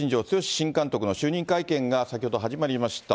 新監督の就任会見が先ほど始まりました。